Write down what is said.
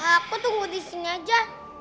aku tunggu disini aja